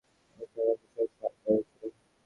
উঠানে একটা বিশাল বুনো ষাড় দাঁড়িয়ে ছিল।